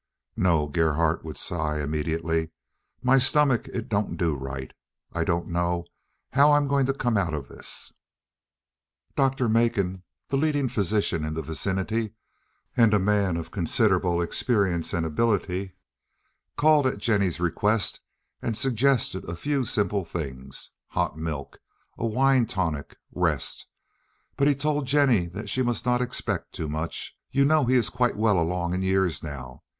"No," Gerhardt would sigh immediately, "my stomach it don't do right. I don't know how I am going to come out of this." Dr. Makin, the leading physician of the vicinity, and a man of considerable experience and ability, called at Jennie's request and suggested a few simple things—hot milk, a wine tonic, rest, but he told Jennie that she must not expect too much. "You know he is quite well along in years now.